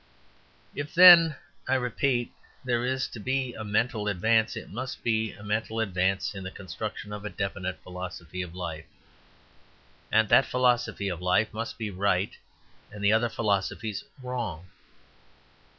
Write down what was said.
If then, I repeat, there is to be mental advance, it must be mental advance in the construction of a definite philosophy of life. And that philosophy of life must be right and the other philosophies wrong.